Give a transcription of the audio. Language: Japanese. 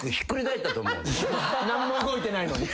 何も動いてないのに。